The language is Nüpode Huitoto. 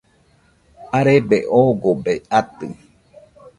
arebe oogobe atɨ